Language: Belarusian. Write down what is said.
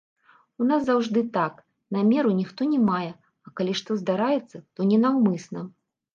У нас заўжды так, намеру ніхто не мае, а калі што здараецца, то ненаўмысна.